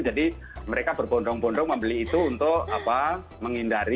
jadi mereka berbondong bondong membeli itu untuk menghindari